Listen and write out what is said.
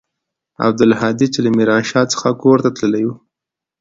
عبدالهادي چې له ميرانشاه څخه کور ته تللى و.